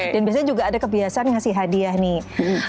dan biasanya juga ada kebiasaan ngasih hadiah nih